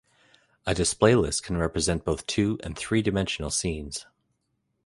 A display list can represent both two- and three-dimensional scenes.